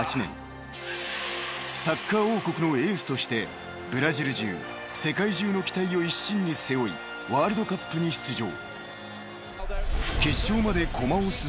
［サッカー王国のエースとしてブラジル中世界中の期待を一身に背負いワールドカップに出場］